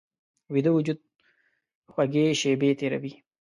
ویده وجود خوږې شیبې تېروي